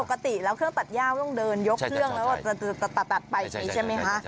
ปกติแล้วเครื่องตัดย่าต้องเดินยกเครื่องแล้วตัดไปใช่ไหมฮะ